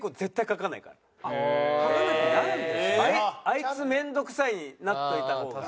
「あいつ面倒くさい」になっといた方が。